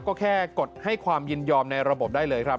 ก็แค่กดให้ความยินยอมในระบบได้เลยครับ